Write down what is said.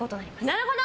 なるほど！